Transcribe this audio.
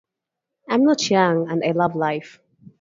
I am not young and I love life.